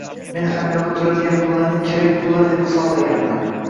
Men hamyonda turadigan pullarni “kerak pullar” deb hisoblaganman